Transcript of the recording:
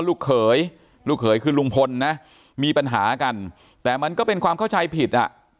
ลูกเขยลูกเขยคือลุงพลนะมีปัญหากันแต่มันก็เป็นความเข้าใจผิดอ่ะ